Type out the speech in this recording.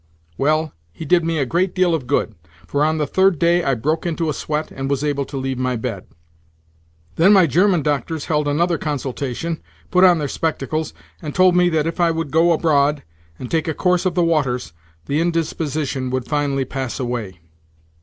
Well, he did me a great deal of good, for on the third day I broke into a sweat, and was able to leave my bed. Then my German doctors held another consultation, put on their spectacles, and told me that if I would go abroad, and take a course of the waters, the indisposition would finally pass away.